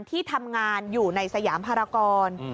ที่ทำงานอยู่ในสยามภารกร